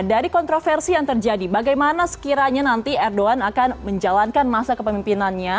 dari kontroversi yang terjadi bagaimana sekiranya nanti erdogan akan menjalankan masa kepemimpinannya